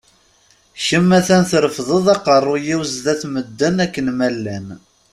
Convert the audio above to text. Kemm a-t-an trefdeḍ aqerruy-iw sdat n medden akken ma llan.